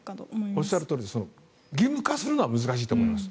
おっしゃるとおり義務化するのは難しいと思います。